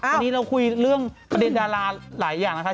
วันนี้เราคุยเรื่องประเด็นดาราหลายอย่างนะคะ